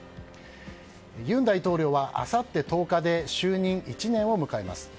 尹大統領は、あさって１０日で就任１年を迎えます。